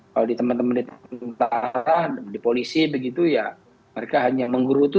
kalau di teman teman di tentara di polisi begitu ya mereka hanya menggerutu